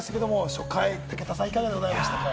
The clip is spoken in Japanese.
初回、武田さん、いかがでしたか？